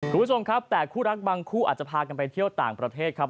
คุณผู้ชมครับแต่คู่รักบางคู่อาจจะพากันไปเที่ยวต่างประเทศครับ